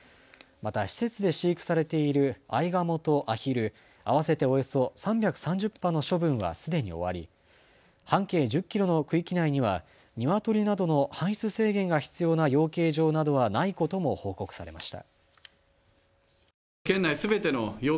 また、施設で飼育されているアイガモとアヒル合わせておよそ３３０羽の処分はすでに終わり、半径１０キロの区域内にはニワトリなどの搬出制限が必要な養鶏場などはないことも報告されました。